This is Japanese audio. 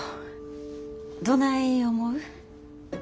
どない思う？